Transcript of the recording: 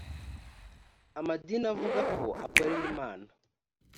amadini avuga ko akorera imana